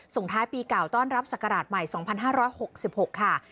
ส่งท้ายปีเก่าต้อนรับศักราชใหม่๒๕๖๖ค่ะ